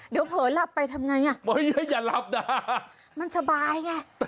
เดี๋ยวเผลอหลับไปทำไงอ่ะอย่าหลับนะมันสบายไง